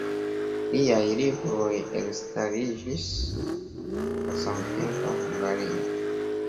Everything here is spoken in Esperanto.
Liaj libroj elstariĝis en la samtempa Hungario.